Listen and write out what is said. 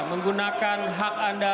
menggunakan hak anda